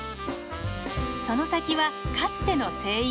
その先はかつての聖域。